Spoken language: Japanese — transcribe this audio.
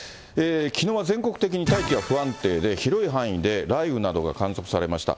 きのうは全国的に大気が不安定で、広い範囲で雷雨などが観測されました。